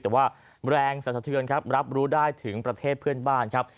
แต่ว่าแรงสันสะเทือนครับรับรู้ได้ถึงประเทศเพื่อนบ้านครับ